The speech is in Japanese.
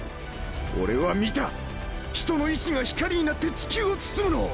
俺は見た人の意思が光になって地球を包むのを。